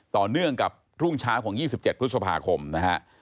ต่อเนื่องกับรุ่งเช้าของ๒๗พฤษภาคมนะฮะ